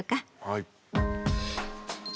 はい。